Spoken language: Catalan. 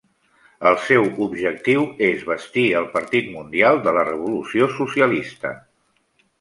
El seu objectiu és bastir el Partit Mundial de la Revolució Socialista.